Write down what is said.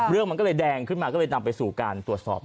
เรื่องมันก็เลยแดงขึ้นมาก็เลยนำไปสู่การตรวจสอบ